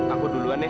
aku duluan deh